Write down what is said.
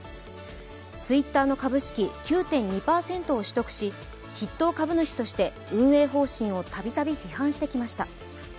ツイッターの株式９．２％を取得し、筆頭株主として運営方針をたびたび批判してきました。